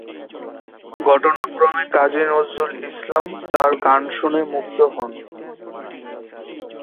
ঘটনাক্রমে কাজী নজরুল ইসলাম তার গান শুনে মুগ্ধ হন।